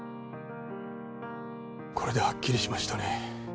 これではっきりしましたね